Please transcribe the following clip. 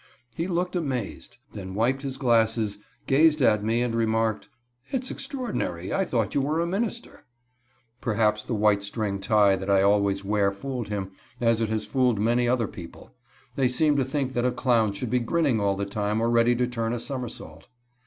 He looked amazed. Then wiped his glasses, gazed at me, and remarked: "It's extraordinary. I thought you were a minister." Perhaps the white string necktie that I always wear fooled him, as it has fooled many other people. They seem to think that a clown should be grinning all the time or ready to turn a somersault.